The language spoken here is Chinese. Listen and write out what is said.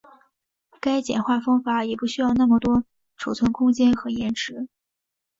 该简化方法也不需要那么多存储空间和延迟。